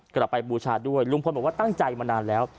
บูชาด้วยลุงพลบอกว่าตั้งใจมานานแล้ว